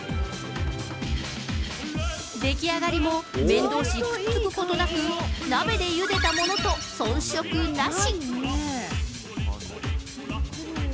出来上がりも麺どうしくっつくことなく、鍋でゆでたものと遜色なし。